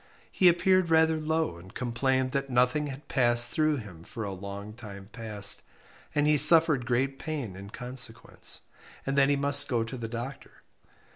He appeared rather low, and complained that nothing had passed through him for a long time past, and he suffered great pain in consequence; and that he must go to the doctor.